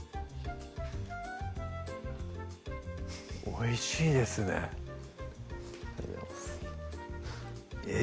おいしいですねえ